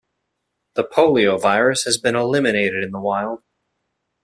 The poliovirus has been eliminated in the wild.